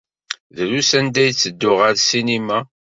Drus anda ay ttedduɣ ɣer ssinima.